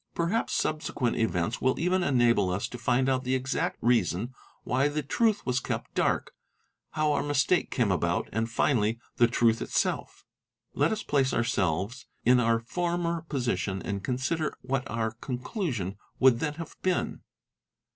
Perhaps z subsequent events will even enable us to find out the exact reason why the truth was kept dark, how our mistake came about, and finally the Oh IMR CARN ET 6 AE RAE STON BERING FA bE AL I OT OT RR TR AR ruth itself. Let us place ourselves in our former position and consider . what our conclusion would then have been.